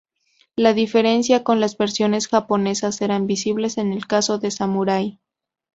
La diferencia con las versiones japonesas eran visibles en el caso del Samurai.